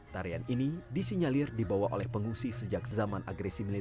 tarian ini disinyalir dibawa oleh pengungsi sejak zaman agresi militer